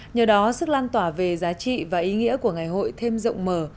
nhờ đó sức lan tỏa về giá trị và ý nghĩa của ngày hội thêm rộng mở